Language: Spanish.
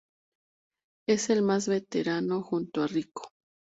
Es el más veterano junto a Rico.